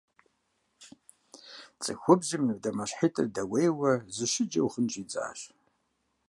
Цӏыхубзым и дамэщхьитӀыр дэуейуэ, зэщыджэу гъын щӀидзащ.